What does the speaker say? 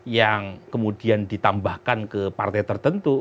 yang kemudian ditambahkan ke partai tertentu